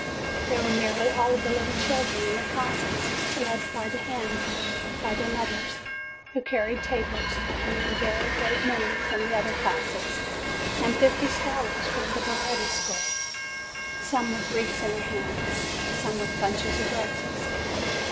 There were nearly all the little children in her classes, led by the hand by their mothers, who carried tapers ; and there were a very great many from the other classes, and fifty scholars from the Ba retti School, some with wreaths in their hands, some with bunches of roses.